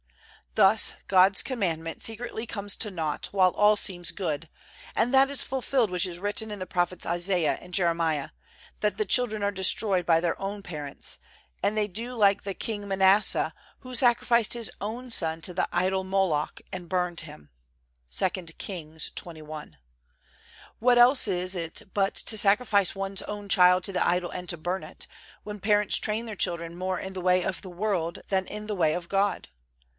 Thus God's Commandment secretly comes to naught while all seems good, and that is fulfilled which is written in the Prophets Isaiah and Jeremiah, that the children are destroyed by their own parents, and they do like the king Manasseh, who sacrificed his own son to the idol Moloch and burned him, II. Kings xxi. What else is it but to sacrifice one's own child to the idol and to burn it, when parents train their children more in the way of the world than in the way of God?